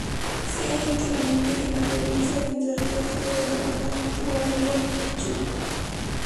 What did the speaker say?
Se halla íntegramente en la provincia de Entre Ríos dentro del departamento Gualeguaychú.